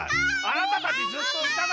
あなたたちずっといた。